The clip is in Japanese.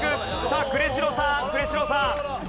さあ呉城さん呉城さん。